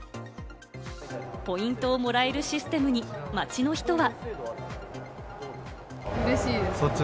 ポイントをもらえるシステムに街の人は。